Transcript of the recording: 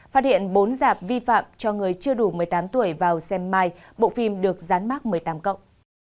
phát hiện bốn dạp vi phạm cho người chưa đủ một mươi tám tuổi vào xem mai bộ phim được dán mát một mươi tám cộng